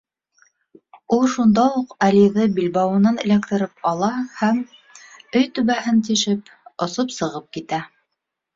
Ул шунда уҡ Алиҙы билбауынан эләктереп ала һәм, өй түбәһен тишеп, осоп сығып китә.